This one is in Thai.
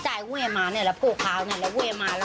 ใช่มันไม่ใช่ป้องกันตัวต่อให้เค้าเล่าวิวาดอ่ะ